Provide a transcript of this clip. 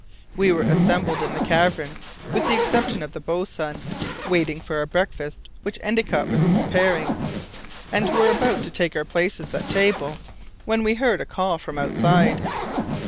We were assembled in the cavern, with the exception of the boatswain, waiting for our breakfast, which Endicott was preparing, and were about to take our places at table, when we heard a call from outside.